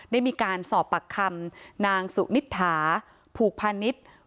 ได้มีการสอบปากคำนางสุนิษฐาผูกพาณิชย์